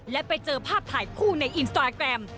และไปเจอภาพถ่ายคู่ในอินสตาแกรม